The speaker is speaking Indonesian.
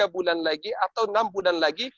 tiga bulan lagi atau enam bulan lagi